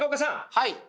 はい。